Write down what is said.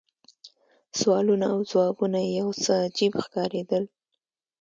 سوالونه او ځوابونه یې یو څه عجیب ښکارېدل.